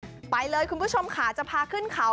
ขึ้นไปเลยคุณผู้ชมขาจะพาขึ้นเขา